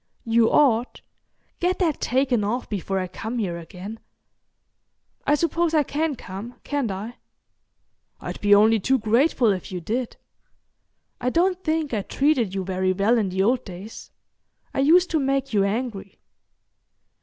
"You ought. Get that taken off before I come here again. I suppose I can come, can't I?" "I'd be only too grateful if you did. I don't think I treated you very well in the old days. I used to make you angry."